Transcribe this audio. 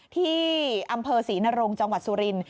ที่อำเภอศรีนรงจังหวัดสุรินทร์